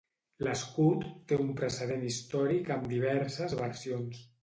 L'escut té un precedent històric amb diverses versions.